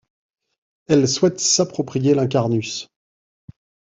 Elle souhaite s'approprier l'Incarnus.